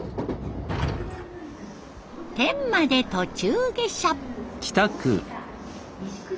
天満で途中下車。